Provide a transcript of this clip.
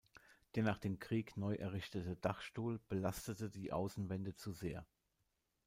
Der nach dem Krieg neu errichtete Dachstuhl belastete die Außenwände zu sehr.